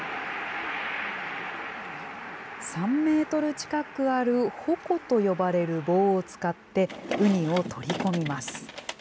３メートル近くあるほこと呼ばれる棒を使って、ウニを取り込みます。